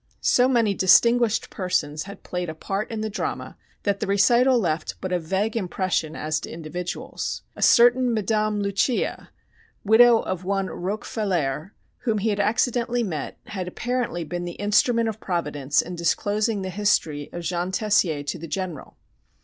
So many distinguished persons had played a part in the drama that the recital left but a vague impression as to individuals. A certain Madame Luchia, widow of one Roquefailaire, whom he had accidentally met, had apparently been the instrument of Providence in disclosing the history of Jean Tessier to the General.